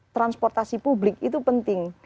transportasi publik itu penting